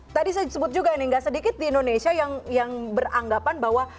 tadi saya sebut juga ini gak sedikit di indonesia yang beranggapan bahwa